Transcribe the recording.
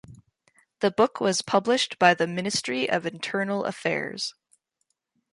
The book was published by the Ministry of Internal Affairs.